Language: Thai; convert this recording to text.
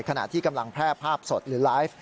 ขณะที่กำลังแพร่ภาพสดหรือไลฟ์